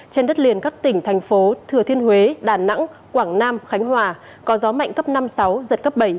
trên đất liền các tỉnh thành phố thừa thiên huế đà nẵng quảng nam khánh hòa có gió mạnh cấp năm sáu giật cấp bảy